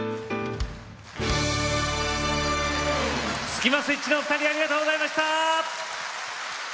スキマスイッチのお二人ありがとうございました。